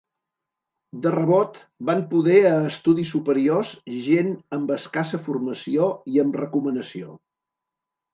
De rebot, van poder a estudis superiors gent amb escassa formació i amb recomanació.